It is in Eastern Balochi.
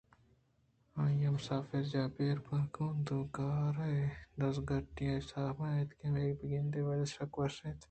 آئی ءِمسافر جاہ ءِ بئیر بہا کنگ ءِ کار ءِ دزگٹی بے حساب اِت اَنت بلئے بہ گندے اود ءَ سک وش اَت